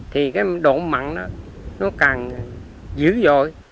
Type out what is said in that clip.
thì cái độ mặn nó càng dữ dội